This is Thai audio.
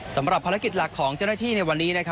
สำหรับภารกิจหลักของเจ้าหน้าที่ในวันนี้